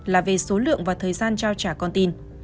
là về số lượng và thời gian trao trả con tin